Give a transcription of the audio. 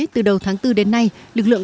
từ đầu tháng bốn đến nay lực lượng